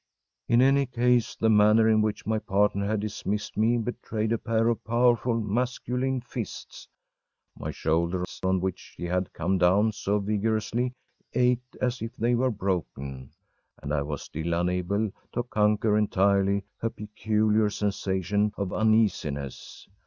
In any case, the manner in which my partner had dismissed me betrayed a pair of powerful masculine fists! My shoulders, on which she had come down so vigorously ached as if they were broken, and I was still unable to conquer entirely a peculiar sensation of uneasiness.